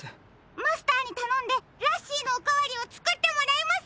マスターにたのんでラッシーのおかわりをつくってもらいます。